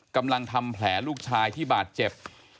กำลังทำแผลลูกชายที่บาดเจ็บ